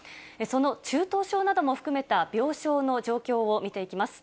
その中等症なども含めた病床の状況を見ていきます。